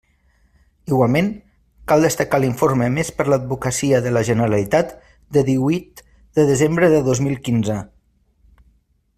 Igualment, cal destacar l'informe emès per l'Advocacia de la Generalitat, de díhuit de desembre de dos mil quinze.